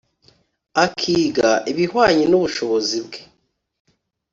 akiga ibihwanye n’ubushobozi bwe,